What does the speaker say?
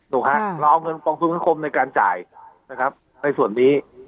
ถูกไหมครับเราเอาเงินความคุ้มในการจ่ายนะครับในส่วนนี้